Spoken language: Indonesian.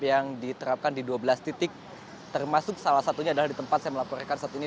yang diterapkan di dua belas titik termasuk salah satunya adalah di tempat saya melaporkan saat ini